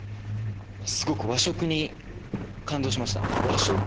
すごく和食に感動しました。